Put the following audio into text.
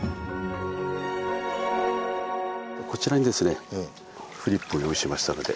こちらにフリップを用意しましたので。